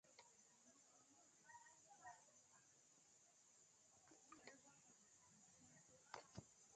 Well I no need to side any side for dis matta.